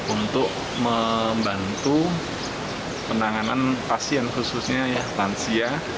untuk membantu penanganan pasien khususnya lansia